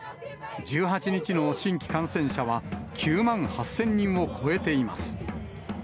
１８日の新規感染者は９万８０００人を超えています。